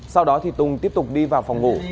sau đó thì tùng tiếp tục đi vào phòng ngủ